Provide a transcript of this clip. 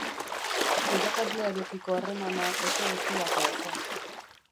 Irakaslearekiko harremana oso bestelakoa zen.